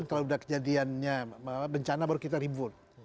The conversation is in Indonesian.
kalau sudah kejadiannya bencana baru kita ribut